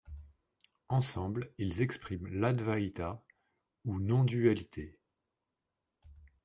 Ensemble, ils expriment l'Advaita ou non-dualité.